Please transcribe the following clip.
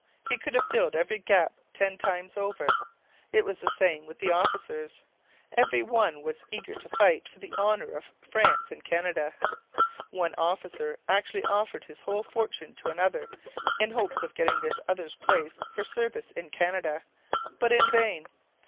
He could have filled every gap ten times over. It was the same with the officers. Every one was eager to fight for the honour of France in Canada. One officer actually offered his whole fortune to another, in hopes of getting this other's place for service in Canada. But in vain.